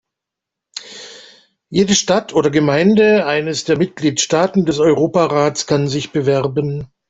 Jede Stadt oder Gemeinde eines der Mitgliedsstaaten des Europarats kann sich bewerben.